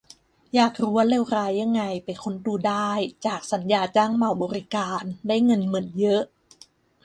อยากรู้ว่าเลวร้ายยังไง ไปค้นดูได้จาก "สัญญาจ้างเหมาบริการ" ได้เงินเหมือนเยอะ